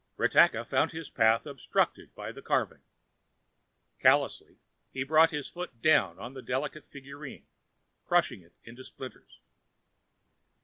Ratakka found his path obstructed by the carving. Callously, he brought his foot down on the delicate figurine, crushing it to splinters.